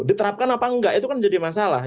diterapkan apa enggak itu kan jadi masalah